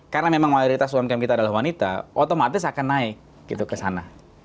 karena memang mayoritas umkm kita adalah wanita otomatis akan naik gitu ke sana